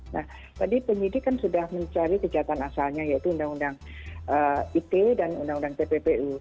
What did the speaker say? nah tadi penyidik kan sudah mencari kejahatan asalnya yaitu undang undang ite dan undang undang tppu